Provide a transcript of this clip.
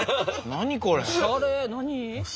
何？